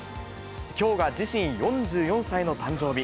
きょうが自身４４歳の誕生日。